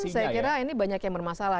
saya kira ini banyak yang bermasalah